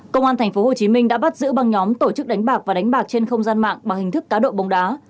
công an tp hcm đã bắt giữ băng nhóm tổ chức đánh bạc và đánh bạc trên không gian mạng bằng hình thức cá độ bóng đá